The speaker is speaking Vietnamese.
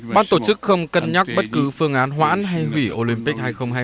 ban tổ chức không cân nhắc bất cứ phương án hoãn hay hủy olympic hai nghìn hai mươi